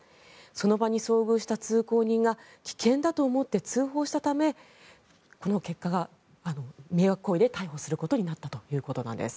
その場に遭遇した通行人が危険だと思って通報したためこの結果が迷惑行為で逮捕することになったということなんです。